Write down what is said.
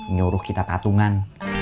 nyuruh kita tatungan